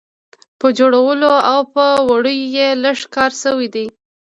په جوړولو او په وړیو یې لږ کار شوی دی.